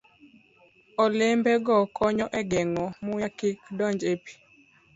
Olembego konyo e geng'o muya kik donj e pi.